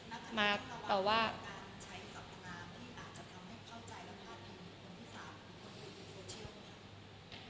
อันนี้อาจจะทำให้เข้าใจและพลาดพิงคนที่สามารถพูดอยู่โฟเชียล